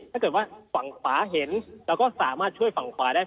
ถ้าเกิดว่าฝั่งขวาเห็นเราก็สามารถช่วยฝั่งขวาได้